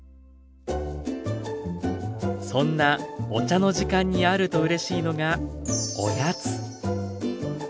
そんなお茶の時間にあるとうれしいのがおやつ。